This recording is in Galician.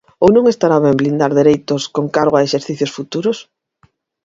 ¿Ou non estará ben blindar dereitos con cargo a exercicios futuros?